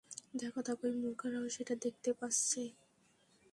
দেখো দেখো, ওই মূর্খরাও সেটা দেখতে পাচ্ছে।